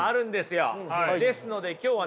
ですので今日はね